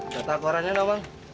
kata akuaranya gak bang